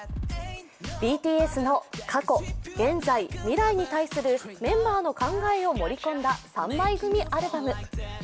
ＢＴＳの過去、現在、未来に対するメンバーの考えを盛り込んだ３枚組アルバム。